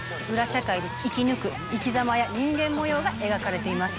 社会で生き抜く生きざまや人間模様が描かれています。